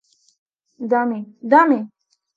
Dame, dame!